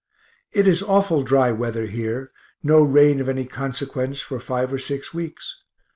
It is awful dry weather here, no rain of any consequence for five or six weeks.